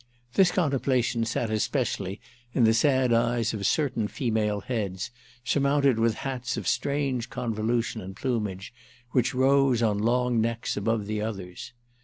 This contemplation sat especially in the sad eyes of certain female heads, surmounted with hats of strange convolution and plumage, which rose on long necks above the others.